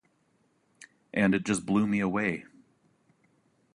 And it just blew me away.